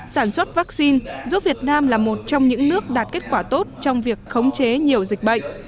sản xuất vaccine giúp việt nam là một trong những nước đạt kết quả tốt trong việc khống chế nhiều dịch bệnh